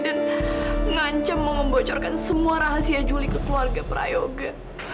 dan ngancam mau membocorkan semua rahasia juli ke keluarga prayoga